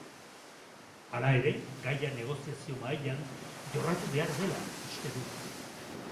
Hala ere, gaia negoziazio mahaian jorratu behar dela uste du.